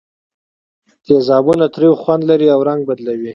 تیزابونه تریو خوند لري او رنګ بدلوي.